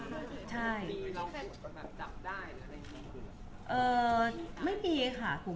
มีลองจับได้หรืออะไรอย่างนี้